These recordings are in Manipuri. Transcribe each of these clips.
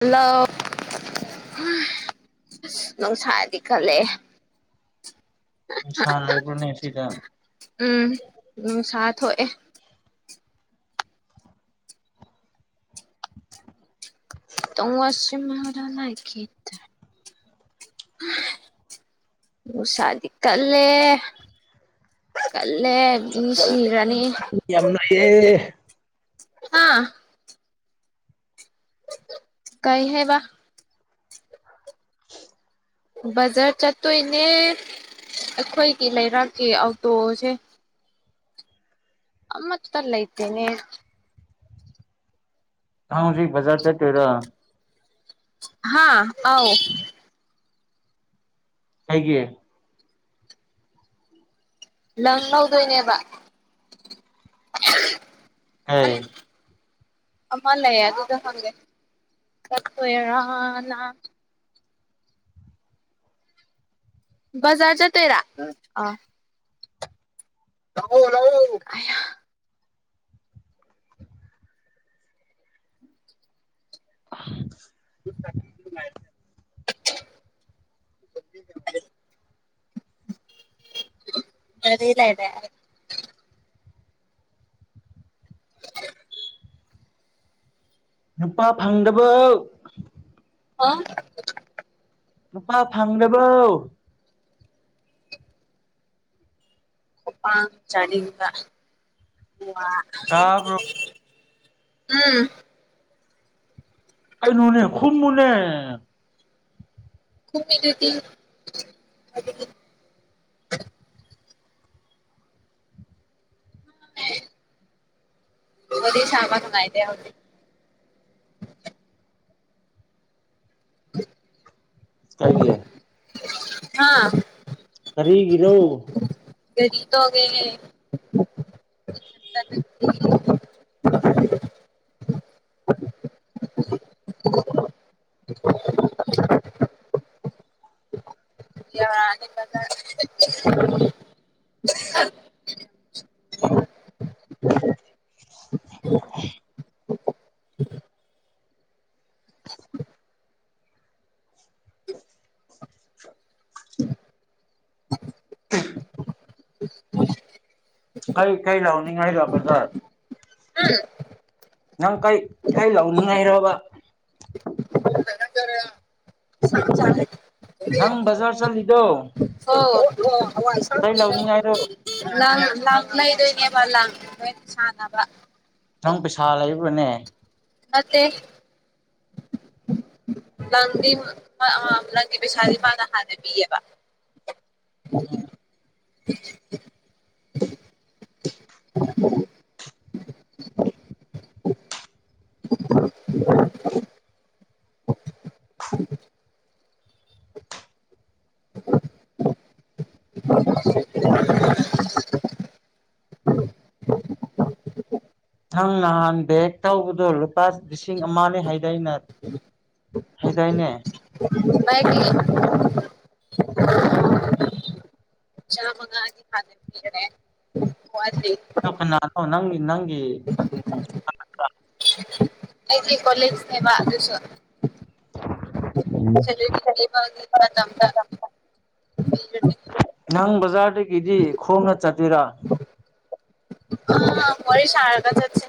ꯍꯜꯂꯣ ꯅꯨꯡꯁꯥꯗꯤ ꯀꯜꯂꯦ ꯅꯨꯡꯁꯥ ꯂꯩꯕ꯭ꯔꯅꯦ ꯁꯤꯗ ꯎꯝ ꯅꯨꯡꯁꯥ ꯊꯣꯛꯑꯦ [unintelligible] ꯅꯨꯡꯁꯥꯗꯤ ꯀꯜꯂꯦꯍꯦ ꯀꯜꯂꯦ ꯃꯤ ꯁꯤꯔꯅꯤ ꯌꯥꯝ ꯂꯩꯌꯦ ꯍꯥ ꯀꯩꯍꯥꯏꯕ ꯕꯥꯖꯔ ꯆꯠꯇꯣꯏꯅꯦ ꯑꯩꯈꯣꯏꯒꯤ ꯂꯩꯔꯥꯛꯀꯤ ꯑꯥꯎꯇꯣꯁꯦ ꯑꯃꯠꯇ ꯂꯩꯇꯦꯅꯦ ꯍꯧꯖꯤꯛ ꯕꯖꯔ ꯆꯠꯇꯣꯏꯔꯣ ꯍꯥꯥ ꯑꯥꯎ ꯀꯩꯒꯤ ꯂꯪ ꯂꯧꯗꯣꯏꯅꯦꯕ ꯀꯩ ꯑꯩ ꯑꯃ ꯂꯩꯌꯦ ꯑꯗꯨꯗ ꯍꯪꯒꯦ ꯆꯠꯇꯣꯏꯔꯅ ꯕꯥꯖ꯭ꯔ ꯆꯠꯇꯣꯏꯔ ꯂꯥꯛ ꯑꯣꯂꯥꯛ ꯑꯌꯥ [unintelligible] [inaudible] [unintelligible] ꯃꯔꯤ ꯂꯩꯔꯦ ꯅꯨꯄꯥ ꯐꯪꯗꯕꯥꯎ ꯑꯥ ꯅꯨꯄꯥ ꯐꯪꯗꯕꯧ ꯈꯨꯄꯥꯥꯛ ꯆꯥꯅꯤꯡꯕ ꯋꯥ ꯇꯥꯕ꯭ꯔꯣ ꯑꯥ ꯀꯥꯏꯅꯣꯅꯦ ꯈꯨꯝꯃꯨꯅꯦ ꯈꯨꯝ ꯃꯤꯗꯨꯗꯤ [inaudible] ꯋꯥꯔꯤ ꯁꯥꯕ ꯅꯨꯡꯉꯥꯏꯇꯦ ꯍꯧꯖꯤꯛ ꯀꯩꯒꯤ ꯍꯥꯥ ꯀꯔꯤꯒꯤꯔꯣ ꯒꯥꯔꯤ ꯇꯣꯡꯉꯦ [unintelligible] [inaudible] [inaudible] ꯀꯩ ꯀꯩ ꯂꯧꯅꯤꯡꯉꯥꯏ ꯕꯖꯔ ꯅꯪ ꯀꯩ ꯀꯩ ꯂꯧꯅꯤꯡꯉꯥꯏꯔꯕ ꯅꯪ ꯕꯖꯥꯔ ꯆꯠꯂꯤꯗꯣ ꯀꯩ ꯂꯧꯅꯤꯡꯉꯥꯏꯔꯣ [unintelligible] ꯂꯪ ꯂꯩꯗꯣꯏꯅꯦꯕ ꯂꯪ ꯐꯅꯦꯛ ꯁꯅꯕ ꯅꯪ ꯄꯩꯁꯥ ꯂꯩꯕ꯭ꯔꯅꯦ ꯅꯠꯇꯦ ꯂꯪꯗꯤ ꯑꯥ ꯂꯪꯒꯤ ꯄꯩꯁꯥꯗꯤ ꯃꯥꯅ ꯍꯥꯟꯅ ꯄꯤꯌꯦꯕ [inaudible] [inaudible] [inaudible] [inaudible] ꯅꯪ ꯅꯍꯥꯟ ꯕꯦꯛ ꯇꯧꯕꯗꯣ ꯂꯨꯄꯥ ꯂꯤꯁꯤꯡ ꯑꯃꯅꯤ ꯍꯥꯏꯗꯥꯢꯅꯦ ꯃꯌꯦꯛꯒꯤ ꯆꯥꯝꯃꯉꯥꯗꯤ ꯍꯥꯟꯅ ꯄꯤꯈ꯭ꯔꯦ [unintelligible] ꯑꯣ ꯅꯪ ꯅꯪꯒꯤ ꯎꯝ ꯑꯩꯗꯤ ꯀꯣꯂꯦꯖꯅꯦꯕ ꯑꯗꯨꯁꯨ [unintelligible] ꯖꯥꯔꯗꯒꯤꯗꯤ ꯈꯣꯡꯅ ꯆꯠꯔꯤꯔꯥ ꯑꯥ ꯋꯥꯔꯤ ꯁꯔꯥꯒ ꯆꯠꯁꯤ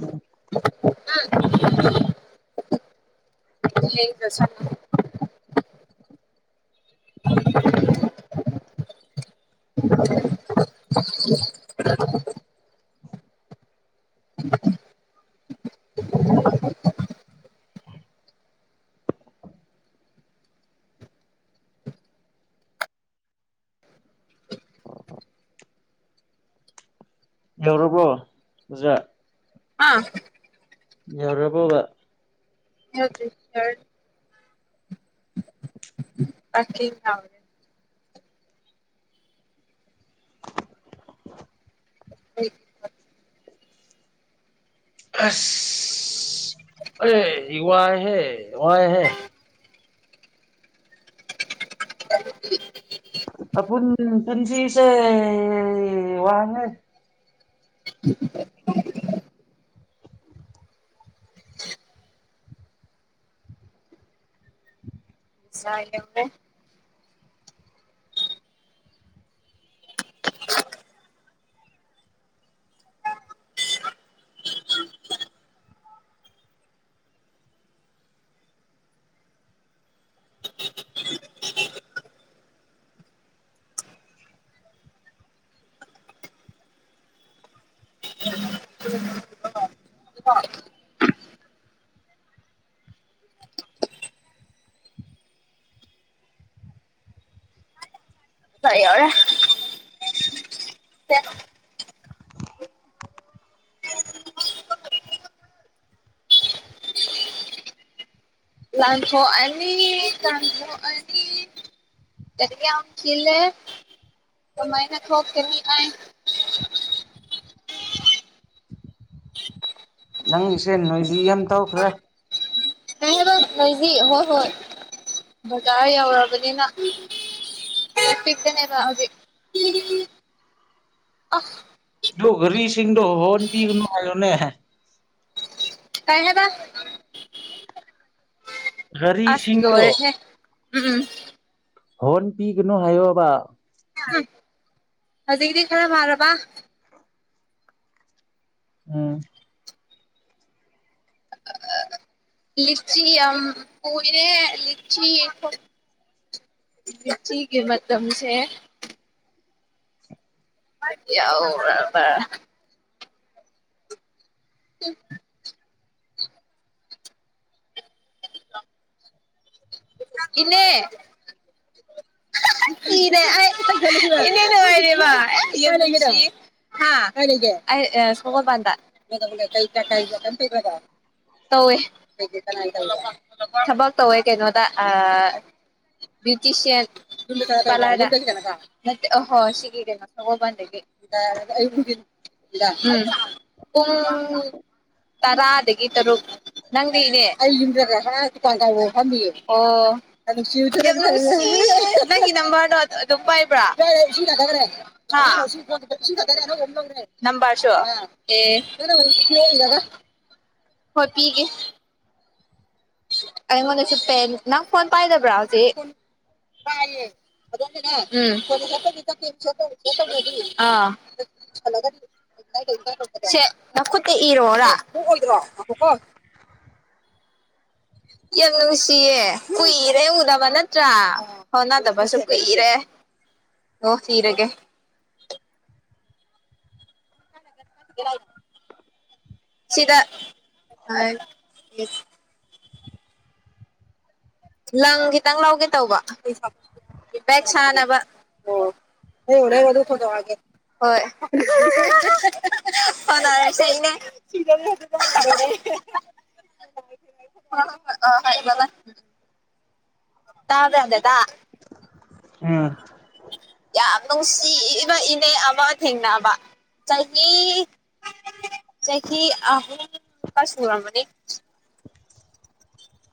ꯎꯝ ꯑꯪ ꯌꯦꯡꯗ꯭ꯔꯁꯅꯨ [inaudible] [inaudible] [inaudible] ꯌꯥꯎꯔꯕꯣ ꯕꯖꯥꯔ ꯑꯥ ꯌꯧꯔꯕꯣꯕ ꯌꯧꯗ꯭ꯔꯤ ꯁꯔ ꯄꯀꯤꯡ ꯊꯕꯖꯦ [inaudible] ꯍꯩ ꯍꯥ ꯑꯁ ꯑꯩ ꯋꯥꯔꯦꯍꯦ ꯋꯥꯔꯦꯍꯦ ꯑꯥ ꯄꯨꯟ ꯄꯨꯟꯁꯤꯁꯦ ꯋꯥꯔꯦꯍꯦ [unintelligible] ꯀꯥꯏ ꯌꯧꯔꯦ [unintelligible] ꯂꯥꯡꯊꯣꯛꯑꯅꯤ ꯂꯥꯡꯊꯣꯛꯑꯅꯤ ꯒꯥꯔꯤ ꯌꯥꯝ ꯆꯤꯂꯦ ꯀꯃꯥꯢꯅ ꯊꯣꯛꯀꯅꯤ ꯑꯩ ꯅꯪ ꯏꯁꯩ ꯅꯣꯏꯖꯤ ꯌꯥꯝ ꯊꯣꯛꯈ꯭ꯔꯦ ꯀꯩ ꯍꯥꯏꯕ ꯅꯣꯢꯖꯤ ꯍꯣꯏ ꯍꯣꯏ ꯕꯖꯥꯔ ꯌꯧꯔꯕꯅꯤꯅ [unintelligible] ꯍꯧꯖꯤꯛ ꯑꯥ ꯗꯣ ꯒꯥꯔꯤꯁꯤꯡꯗꯣ ꯍꯣꯔꯣꯟ ꯄꯤꯒꯅꯣ ꯍꯥꯏꯌꯨꯅꯦ ꯀꯩ ꯍꯥꯢꯕ ꯑꯁ ꯒꯥꯔꯤꯁꯤꯡꯗꯣ ꯂꯣꯢꯔꯦꯍꯦ ꯎꯝ ꯎꯝ ꯍꯣꯔꯣꯟ ꯄꯤꯒꯅꯨ ꯍꯥꯏꯌꯣꯕ ꯍꯧꯖꯤꯛꯀꯤꯗꯤ ꯈꯔ ꯐꯔꯕ꯭ꯔ ꯎꯝ ꯂꯤꯆꯤ ꯌꯝ ꯑꯣꯢꯔꯦ ꯂꯤꯆꯤ ꯂꯤꯆꯤꯒꯤ ꯃꯇꯝꯁꯦ ꯌꯧꯔꯕ [inaudible] ꯅꯪꯒꯤꯅꯦ ꯁꯤꯔꯦ ꯑꯩ ꯏꯅꯦ ꯅꯨꯡꯉꯥꯏꯔꯤꯕꯣ ꯑꯦ ꯌꯝ ꯅꯨꯡꯁꯤꯌꯦ ꯍꯥ ꯀꯥꯏ ꯂꯩꯒꯦ ꯑꯩ ꯁꯒꯣꯜꯕꯟꯗ [unintelligible] ꯇꯧꯋꯦ ꯊꯕꯛ ꯇꯧꯋꯦ ꯀꯩꯅꯣꯗ ꯑꯥ ꯕ꯭ꯌꯨꯇꯤꯁꯤꯌꯥꯟ ꯄꯂꯔꯗ ꯅꯠꯇꯦ ꯑꯍꯣꯏ ꯁꯤꯒꯤ ꯁꯒꯣꯜꯕꯟꯗꯒꯤ ꯎꯝ ꯄꯨꯡ ꯇꯔꯥꯗꯒꯤ ꯇꯔꯨꯛ ꯅꯪꯗꯤ ꯏꯅꯦ ꯑꯩ ꯌꯨꯝ ꯀꯥꯡ ꯗꯨꯀꯥꯟ ꯐꯝꯃꯤꯌꯦ ꯅꯨꯡꯁꯤꯌꯦ ꯌꯥꯝ ꯅꯪꯒꯤ ꯅꯝꯕꯔꯗꯣ ꯑꯗꯨꯝ ꯄꯥꯏꯕ꯭ꯔꯥ ꯏꯁꯤꯡ ꯊꯥꯗꯒ꯭ꯔꯦ ꯍꯥ ꯑꯅꯧꯕ ꯑꯃ ꯂꯧꯔꯦ ꯅꯝꯕꯔꯁꯨ ꯑꯦ ꯍꯣꯢ ꯄꯤꯒꯦ ꯑꯩꯉꯣꯟꯗꯁꯨ ꯄꯦꯟ ꯅꯪ ꯐꯣꯟ ꯄꯥꯏꯗꯕ꯭ꯔꯥ ꯍꯧꯖꯤꯛ ꯎꯝ ꯑꯥ ꯁꯦ ꯅꯈꯨꯠꯇ ꯏꯔꯣꯔ ꯀꯣꯛꯑꯣꯢꯗ꯭꯭꯭꯭ꯔ ꯉꯥꯢꯈꯣꯀꯣ ꯌꯥꯝ ꯅꯨꯡꯁꯤꯌꯦ ꯀꯨꯏꯔꯦ ꯎꯗꯕ ꯅꯠꯇ꯭ꯔꯥ ꯐꯥꯎꯅꯗꯕꯁꯨ ꯀꯨꯏꯔꯦ ꯑꯣ ꯄꯤꯔꯒꯦ [unintelligible] ꯁꯤꯗꯥ ꯂꯪ ꯈꯤꯇꯪ ꯂꯧꯒꯦ ꯇꯧꯕ ꯕꯦꯛ ꯁꯥꯥꯟꯅꯕ ꯑꯣ ꯌꯦꯡꯎ ꯅꯪ ꯑꯗꯣ ꯐꯣꯟ ꯇꯧꯔꯛꯑꯒꯦ ꯍꯣꯢ ꯐꯥꯎꯅꯔꯁꯦ ꯏꯅꯦ ꯍꯣꯢ ꯕ ꯕꯥꯢ ꯇꯥꯔꯦ ꯌꯥꯗꯦꯗ ꯎꯝ ꯌꯥꯝ ꯅꯨꯡꯁꯤꯕ ꯏꯅꯦ ꯑꯃ ꯊꯦꯡꯅꯕ ꯆꯍꯤ ꯆꯍꯤ ꯑꯍꯨꯝ ꯑꯁ ꯁꯨꯔꯝꯃꯅꯤ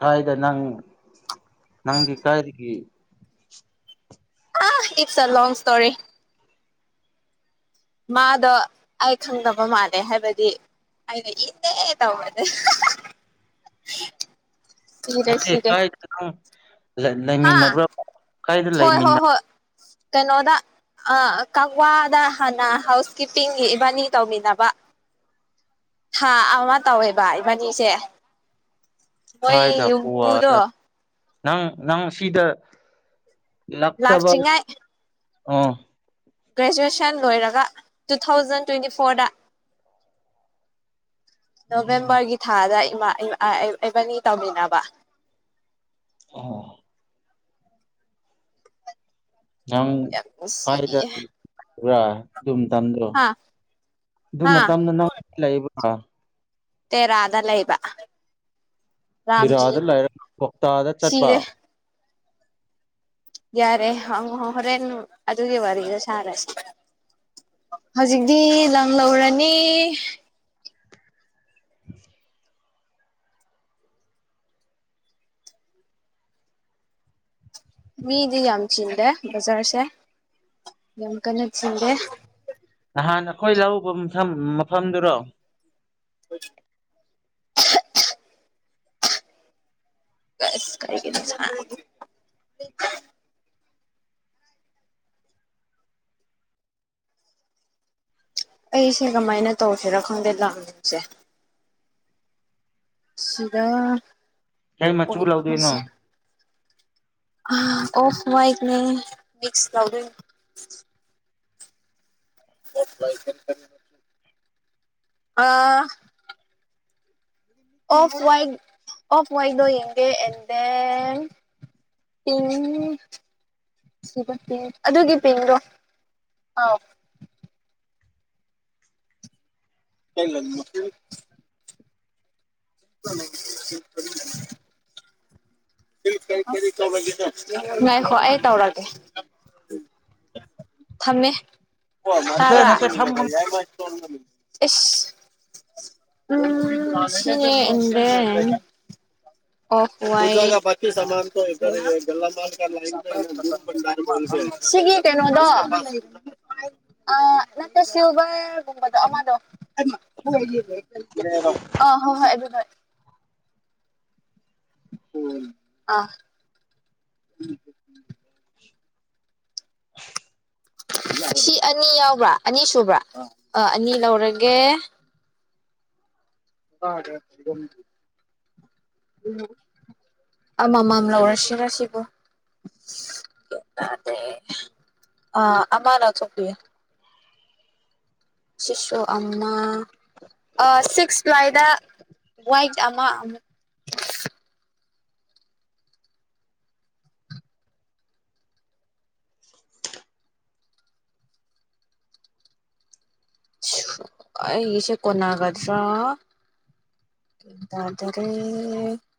ꯀꯥꯏꯗ ꯅꯪ ꯅꯪꯗꯤ ꯀꯥꯏꯗꯒꯤ ꯑ ꯏꯠꯁ ꯑ ꯂꯣꯡ ꯁꯇꯣꯔꯤ ꯃꯥꯗꯣ ꯑꯩ ꯈꯪꯗꯕ ꯃꯥꯜꯂꯦ ꯍꯥꯏꯕꯗꯤ ꯍꯥꯏꯗꯤ ꯑꯩꯅ ꯏꯅꯦ ꯇꯧꯕꯅꯦ ꯅꯠꯇꯦ ꯀꯥꯏꯗ ꯈꯪ ꯍꯥꯥ ꯀꯥꯏꯗ ꯍꯣꯏ ꯍꯣꯏ ꯂꯩꯃꯤꯟꯅ ꯍꯣꯏ ꯀꯩꯅꯣꯗ ꯑ ꯀꯛꯋꯥꯗ ꯍꯥꯟꯅ ꯍꯥꯎꯁ ꯀꯤꯞꯄꯤꯡꯒꯤ ꯏꯕꯥꯅꯤ ꯇꯧꯃꯤꯟꯅꯕ ꯊꯥ ꯑꯃ ꯇꯧꯋꯦꯕ ꯏꯕꯥꯅꯤꯁꯦ ꯃꯣꯏ ꯀꯥꯏꯗ ꯌꯨꯝꯕꯨꯗꯣ ꯒꯣꯋꯥꯗ ꯅꯪ ꯅꯪ ꯁꯤꯗ ꯂꯥꯛꯇꯕ ꯂꯥꯛꯇ꯭ꯔꯤꯉꯥꯏ ꯑꯣ ꯒ꯭ꯔꯦꯖꯨꯑꯦꯁꯟ ꯂꯣꯏꯔꯒ ꯇꯨ ꯊꯥꯎꯖꯟ ꯇ꯭ꯋꯦꯟꯇꯤ ꯐꯣꯔꯗ ꯎꯝ ꯅꯕꯦꯝꯕꯔꯒꯤ ꯊꯥꯗ ꯏꯃꯥ ꯏꯝ ꯑ ꯑꯦ ꯏꯕꯅꯤ ꯇꯧꯃꯤꯟꯅꯕ ꯑꯍꯣ ꯂꯪ ꯌꯥꯝ ꯅꯨꯡꯁꯤ ꯀꯥꯏꯗ ꯕꯔꯥ ꯑꯗꯨ ꯃꯇꯝꯗꯨ ꯍꯥ ꯑꯗꯨ ꯍꯥ ꯃꯇꯝꯗ ꯅꯪ ꯂꯩꯕ꯭ꯔꯥ ꯇꯦꯔꯥꯗ ꯂꯩꯕ ꯔꯥꯝꯖꯤ ꯇꯦꯔꯥꯗ ꯂꯩꯔꯒ ꯀꯣꯛꯇꯥꯗ ꯆꯠꯄ ꯁꯤꯔꯦ ꯌꯥꯔꯦ ꯑ ꯍꯣꯔꯦꯟ ꯑꯗꯨꯒꯤ ꯋꯥꯔꯤꯗꯨ ꯁꯔꯁꯤ ꯍꯧꯖꯤꯛꯇꯤ ꯂꯪ ꯂꯧꯔꯅꯤ [inaudible] ꯃꯤꯗꯤ ꯌꯥꯝ ꯆꯤꯟꯗꯦ ꯕꯖꯥꯔꯁꯦ ꯌꯥꯝ ꯀꯟꯅ ꯆꯤꯟꯗꯦ ꯅꯍꯥꯟ ꯑꯩꯈꯣꯏ ꯂꯧꯎꯕ ꯃꯐꯝ ꯃꯐꯝꯗꯨꯔꯣ [inaudible] ꯑꯁ ꯀꯥꯏꯒꯤꯅꯣ ꯁꯥꯏ ꯑꯩꯁꯦ ꯀꯃꯥꯏꯅ ꯇꯧꯁꯤꯔ ꯈꯪꯗꯦ ꯂꯪꯁꯦ ꯁꯤꯗ ꯀꯏ ꯃꯆꯨ ꯂꯧꯗꯣꯏꯅꯣ ꯑꯣꯏꯗꯧꯔꯤꯁꯦ ꯑꯥ ꯑꯣꯐ ꯋꯥꯏꯠꯅꯦ ꯃꯤꯛꯁ ꯇꯧꯗꯣꯏꯅꯤ ꯑꯣꯐ ꯋꯥꯏꯠ [unintelligible] ꯑꯥ ꯑꯣꯐ ꯋꯥꯏꯠ ꯑꯣꯐ ꯋꯥꯏꯠꯇꯣ ꯌꯦꯡꯒꯦ ꯑꯦꯟ ꯗꯦꯟ ꯍꯨꯝ ꯁꯤꯗ ꯄꯤꯡ ꯑꯗꯨꯒꯤ ꯄꯤꯡꯗꯣ ꯑꯥꯎ ꯀꯩ ꯂꯝꯅꯣ ꯁꯤ [unintelligible] ꯉꯥꯢꯈꯣ ꯑꯩ ꯇꯧꯔꯛꯀꯦ ꯊꯝꯃꯦ ꯅꯠꯇꯦ ꯇꯥꯕꯔꯥ ꯅꯠꯇꯦ ꯊꯝꯃꯣ ꯏꯁ ꯎꯝ ꯁꯤꯅꯦ ꯑꯦꯟ ꯗꯦꯟ ꯑꯣꯐ ꯋꯥꯏꯠ ꯁꯤꯒꯤ ꯀꯩꯅꯣꯗꯣ ꯑ ꯅꯠꯇꯦ ꯁꯤꯜꯚꯔꯒꯨꯝꯕꯗꯣ ꯑꯃꯗꯣ ꯑꯥ ꯍꯣꯏ ꯍꯣꯏ ꯑꯗꯨꯗꯣ ꯑ ꯎꯝ ꯑꯁꯤ ꯑꯅꯤ ꯌꯥꯎꯕ꯭ꯔꯥ ꯑꯅꯤ ꯁꯨꯕ꯭ꯔꯥ ꯑ ꯑꯅꯤ ꯂꯧꯔꯒꯦ ꯑꯗ ꯌꯨꯝ ꯑꯃꯃꯝ ꯂꯧꯔꯁꯤꯔ ꯁꯤꯕꯨ ꯑ ꯑꯃ ꯂꯧꯊꯣꯛꯄꯤꯌꯣ ꯆꯤꯁꯨ ꯑꯃ ꯑ ꯁꯤꯛꯁ ꯄ꯭ꯂꯥꯏꯗ ꯋꯥꯏꯠ ꯑꯃ ꯑꯃꯨꯛ ꯑꯩꯒꯤꯁꯦ ꯀꯣꯟꯅꯒꯗ꯭ꯔꯥ ꯋꯥꯟꯊꯔꯦ